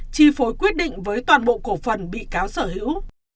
chi phối quyết định với toàn bộ cổ phần bị cáo sở hữu